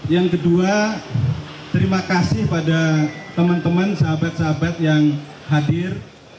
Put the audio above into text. yang kedua terima kasih pada teman teman sahabat sahabat yang hadir